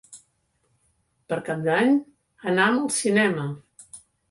Per Cap d'Any anam al cinema.